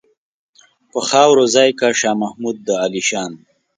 په خاورو ځای کا شاه محمود د عالیشان.